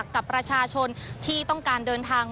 กับประชาชนที่ต้องการเดินทาง